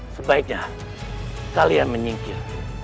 sebaiknya kalian menyingkir